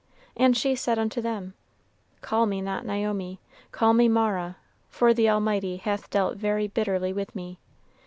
And she said unto them, Call me not Naomi; call me Mara; for the Almighty hath dealt very bitterly with me.